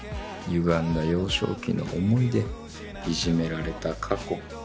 ゆがんだ幼少期の思い出いじめられた過去